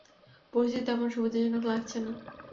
পরিস্থিতি তেমন সুবিধাজনক লাগছে না।